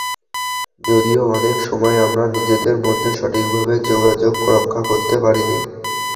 যদিও অনেক সময় আমরা নিজেদের মধ্যে সঠিকভাবে যোগাযোগ রক্ষা করতে পারি না।